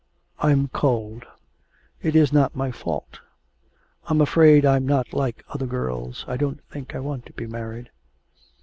I'm cold; it is not my fault. I'm afraid I'm not like other girls. ... I don't think I want to be married.'